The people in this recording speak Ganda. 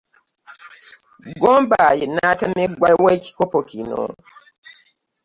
Gomba ye nnantameggwa w'ekikopo kino